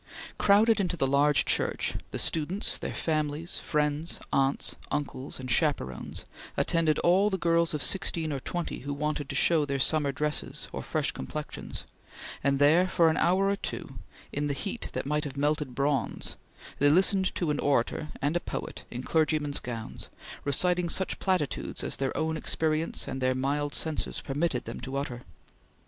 Crowded into the large church, the students, their families, friends, aunts, uncles and chaperones, attended all the girls of sixteen or twenty who wanted to show their summer dresses or fresh complexions, and there, for an hour or two, in a heat that might have melted bronze, they listened to an Orator and a Poet in clergyman's gowns, reciting such platitudes as their own experience and their mild censors permitted them to utter.